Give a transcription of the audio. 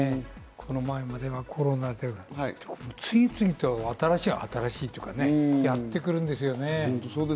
この前ではコロナで次々と新しいというか、やってくるんですよね。